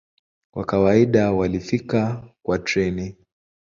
Kwa kawaida walifika kwa treni.